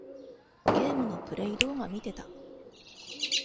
ゲームのプレイ動画みてた。